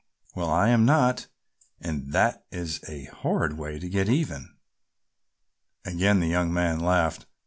"Well I am not and that is a horrid way to get even!" Again the young man laughed.